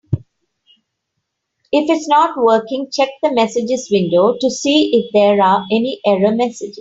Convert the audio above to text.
If it's not working, check the messages window to see if there are any error messages.